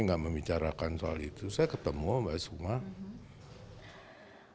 kami gak membicarakan soal itu saya ketemu mbak soekmawati